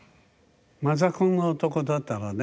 マザコン男だったらね